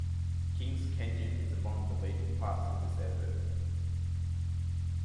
Kings Canyon is among the leading parks in this effort.